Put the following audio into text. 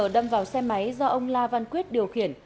đâm vào xe máy do ông la văn quyết điều khiển